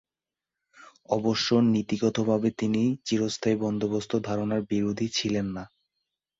অবশ্য নীতিগতভাবে তিনি চিরস্থায়ী বন্দোবস্ত ধারণার বিরোধী ছিলেন না।